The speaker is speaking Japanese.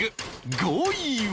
５位は